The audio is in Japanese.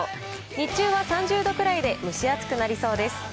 日中は３０度くらいで蒸し暑くなりそうです。